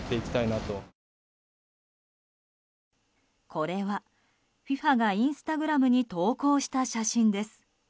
これはＦＩＦＡがインスタグラムに投稿した写真です。